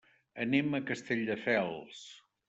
Anem a Castelldefels.